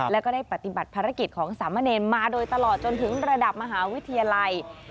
แล้วก็ได้ปฏิบัติภารกิจของสามเณรมาโดยตลอดจนถึงระดับมหาวิทยาลัย